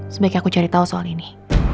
sebaik aku cari tahu soal ini